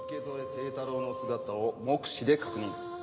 清太郎の姿を目視で確認。